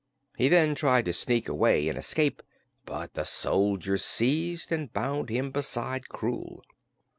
He then tried to sneak away and escape, but the soldiers seized and bound him beside Krewl.